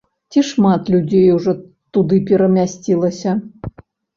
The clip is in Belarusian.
Ці шмат людзей ужо туды перамясцілася?